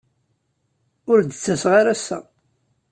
Ur d-ttaseɣ ara ass-a.